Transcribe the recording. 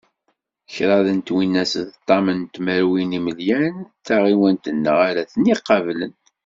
Kraḍ twinas d ṭam tmerwin yimelyan, d taɣiwan-nneɣ ara ten-iqablen.